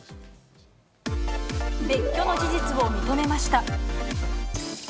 別居の事実を認めました。